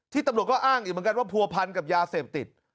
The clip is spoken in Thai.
ตำรวจก็อ้างอีกเหมือนกันว่าผัวพันกับยาเสพติด